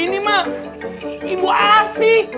ini mah ibu asyik